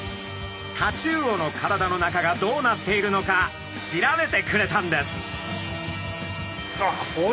タチウオの体の中がどうなっているのか調べてくれたんです。